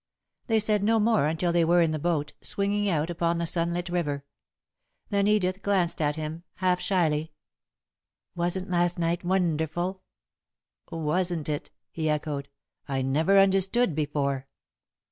They said no more until they were in the boat, swinging out upon the sunlit river. Then Edith glanced at him, half shyly. "Wasn't last night wonderful?" "Wasn't it!" he echoed. "I never understood before."